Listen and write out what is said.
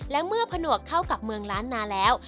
และเมื่อผนวกเข้ากับเมืองล้านนาแล้ว